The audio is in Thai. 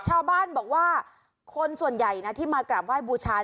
ชาวบ้านบอกว่าคนส่วนใหญ่นะที่มากราบไห้บูชา